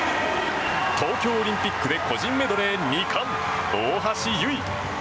東京オリンピックで個人メドレー２冠、大橋悠依。